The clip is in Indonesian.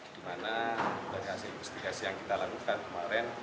di mana dari hasil investigasi yang kita lakukan kemarin